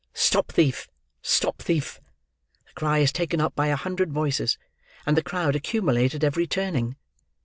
"Stop thief! Stop thief!" The cry is taken up by a hundred voices, and the crowd accumulate at every turning.